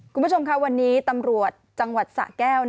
คุณผู้ชมค่ะวันนี้ตำรวจจังหวัดสะแก้ว